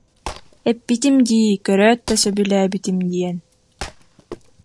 Эппитим дии көрөөт да сөбүлээбитим диэн